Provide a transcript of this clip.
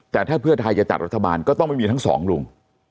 แต่ถ้าเพื่อไทยจะจัดรัฐบาลก็ต้องไม่มีทั้งสองลุง